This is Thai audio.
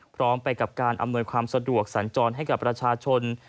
พร้อมไปกับการอำนวยความสะดวกสัญจรให้กับประชาชน